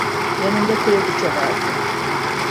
Yanında kraliçe vardı.